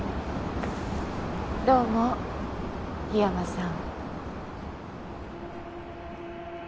どうも桧山さん。